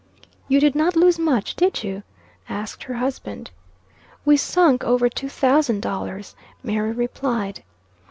"You did not lose much, did you?" asked her husband. "We sunk over two thousand dollars," Mary replied.